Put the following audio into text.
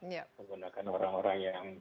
menggunakan orang orang yang